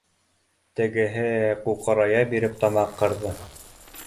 Тегеһе ҡуҡырая биреп тамаҡ ҡырҙы